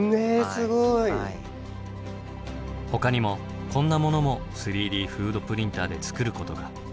ほかにもこんなものも３Ｄフードプリンターで作ることが。